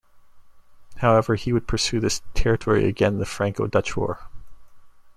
However, he would pursue this territory again the Franco-Dutch War.